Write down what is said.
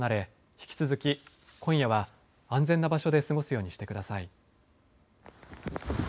引き続き今夜は安全な場所で過ごすようにしてください。